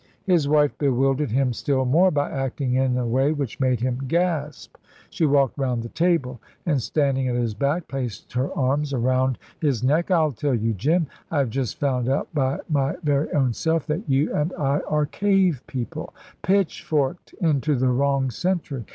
His wife bewildered him still more by acting in a way which made him gasp. She walked round the table, and, standing at his back, placed her arms round his neck. "I'll tell you, Jim. I have just found out by my very own self that you and I are cave people pitchforked into the wrong century.